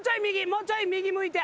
もうちょい右向いて。